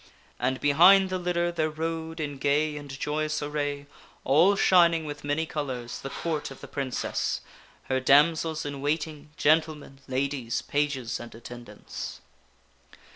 And behind the litter there rode in gay and joyous array, all shining with many colors, the Court of the Princess her damsels in waiting, gentlemen, ladies, pages, and attendants.